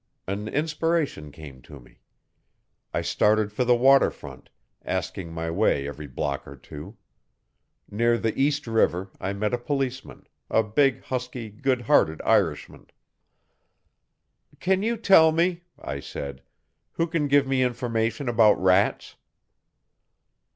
An inspiration came to me. I started for the waterfront, asking my way every block or two. Near the East River I met a policeman a big, husky, good hearted Irishman. 'Can you tell me,' I said, 'who can give me information about rats?'